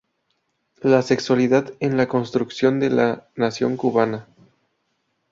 La sexualidad en la construcción de la nación cubana".